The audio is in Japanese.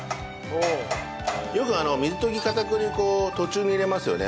よく水溶き片栗粉を途中に入れますよね。